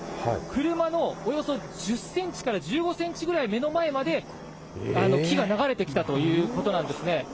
車のおよそ１０センチから１５センチぐらい目の前まで、木が流れてきたということなんですね。